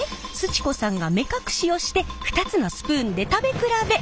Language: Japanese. ち子さんが目隠しをして２つのスプーンで食べ比べ。